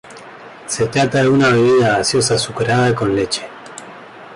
Se trata de una bebida gaseosa azucarada con leche.